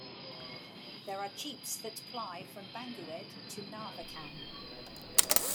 There are jeeps that ply from Bangued to Narvacan.